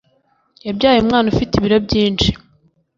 Yabyaye umwana ufite ibiro byinshi